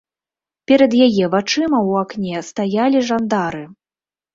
Перад яе вачыма ў акне стаялі жандары.